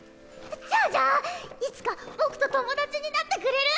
じゃあじゃあいつか僕と友達になってくれる？